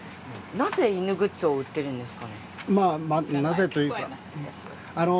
なぜ犬グッズを売っているんですか。